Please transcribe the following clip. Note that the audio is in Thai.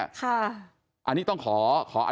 อันนี้ต้องขออธิบายนิดหนึ่งว่า